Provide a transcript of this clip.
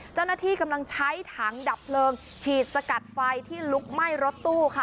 เจ้าหน้าที่กำลังใช้ถังดับเพลิงฉีดสกัดไฟที่ลุกไหม้รถตู้ค่ะ